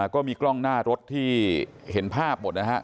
ก็มีกล้องหน้ารถที่เห็นภาพหมดนะฮะ